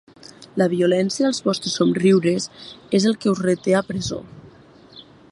La violència dels vostres somriures és el que us reté a presó.